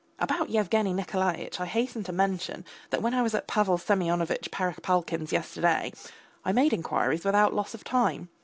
About Yevgeny Nikolaitch I hasten to mention that when I was at Pavel Semyonovitch Perepalkin's yesterday I made inquiries without loss of time.